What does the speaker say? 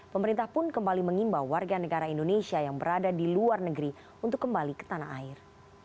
pemerintah pun kembali mengimbau warga negara indonesia yang berada di luar negeri untuk kembali ke tanah air